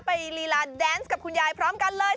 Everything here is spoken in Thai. ลีลาแดนส์กับคุณยายพร้อมกันเลย